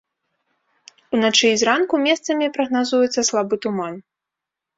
Уначы і зранку месцамі прагназуецца слабы туман.